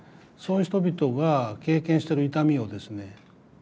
そういう人々が経験してる痛みをですね